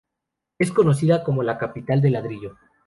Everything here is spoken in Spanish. Es conocida como la Capital del ladrillo.